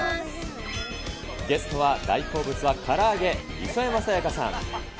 ゲストは大好物はから揚げ、磯山さやかさん。